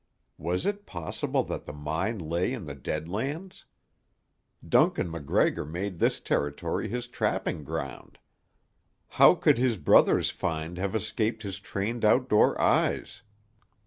Was it possible that the mine lay in the Dead Lands? Duncan MacGregor made this territory his trapping ground. How could his brother's find have escaped his trained outdoor eyes?